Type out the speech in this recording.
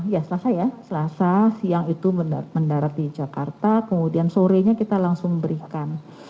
ya selasa ya selasa siang itu mendarat di jakarta kemudian sorenya kita langsung berikan